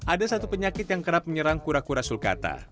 ada satu penyakit yang kerap menyerang kura kura sulkata